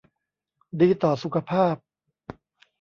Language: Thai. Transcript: ดีต่อสุขภาพ